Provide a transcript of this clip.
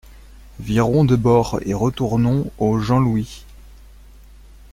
Virons de bord et retournons au Jean-Louis.